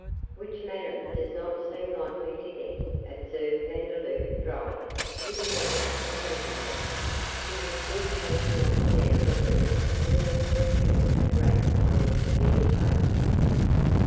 'Which Madame does not seem likely to get,' observed Vandeloup, dryly, with a glance at McIntosh, who was still pacing up and down the room with an expression of wrath on his severe face.